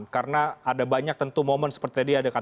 karena ada banyak tentu momen seperti ini